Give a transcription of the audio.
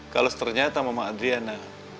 kalau ternyata mama adriana